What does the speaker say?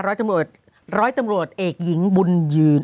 ร้อยตำรวจร้อยตำรวจเอกหญิงบุญยืน